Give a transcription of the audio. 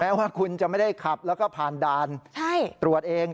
ว่าคุณจะไม่ได้ขับแล้วก็ผ่านด่านตรวจเอง